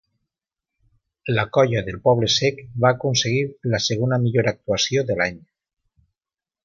La colla del Poble-sec va aconseguir la segona millor actuació de l'any.